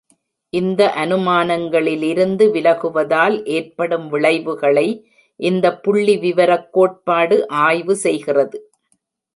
இந்த அனுமானங்களிலிருந்து விலகுவதால் ஏற்படும் விளைவுகளை இந்தப் புள்ளிவிவரக் கோட்பாடு ஆய்வு செய்கிறது.